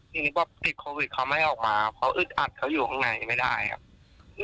ทีนี้พอติดโควิดเขาไม่ออกมาเขาอึดอัดเขาอยู่ข้างในไม่ได้ครับ